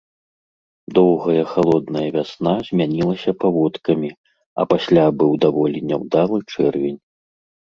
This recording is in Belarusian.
Доўгая халодная вясна змянілася паводкамі, а пасля быў даволі няўдалы чэрвень.